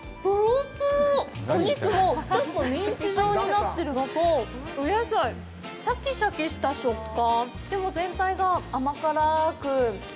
お肉もちょっとミンチ状になってるのと、お野菜、シャキシャキした食感。